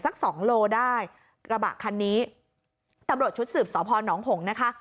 สักสองโลได้ระบะคันนี้ปรับตรวจฉุดสูบสภานองค์ห่งนะคะ